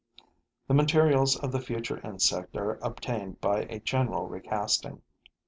The materials of the future insect are obtained by a general recasting.